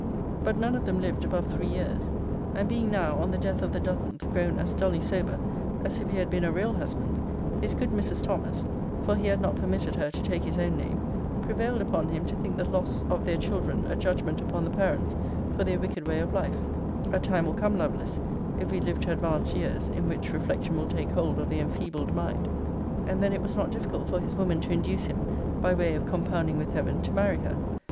But none of them lived above three years. And being now, on the death of the dozenth, grown as dully sober, as if he had been a real husband, his good Mrs. Thomas (for he had not permitted her to take his own name) prevailed upon him to think the loss of their children a judgment upon the parents for their wicked way of life; [a time will come, Lovelace, if we live to advanced years, in which reflection will take hold of the enfeebled mind;] and then it was not difficult for his woman to induce him, by way of compounding with Heaven, to marry her.